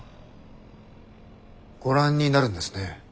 ご覧になるんですね。